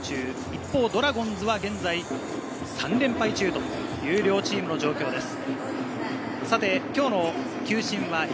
一方ドラゴンズは現在３連敗中という両チームの状況です。